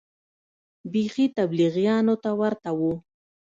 بيخي تبليغيانو ته ورته و.